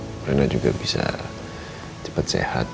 mudah mudahan rina juga bisa cepet sehat